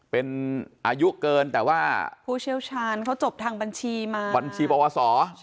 เป็นอายุเกินแต่ว่าผู้เชี่ยวชาญเขาจบทางบัญชีมาบัญชีปวสอ